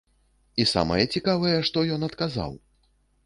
І самае цікавае, што ён адказаў.